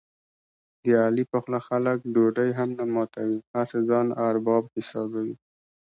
د علي په خوله خلک ډوډۍ هم نه ماتوي، هسې ځان ارباب حسابوي.